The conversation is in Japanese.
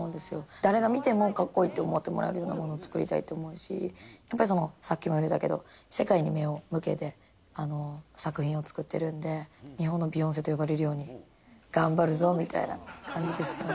誰が見ても、かっこいいって思えるようなものを作りたいって思うし、やっぱりさっきも言ったけど、世界に目を向けて、作品を作ってるんで、日本のビヨンセと呼ばれるように、頑張るぞみたいな感じですよね。